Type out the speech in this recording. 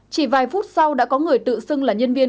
chỉ vài phút sau đã có người tự xưng là nhân viên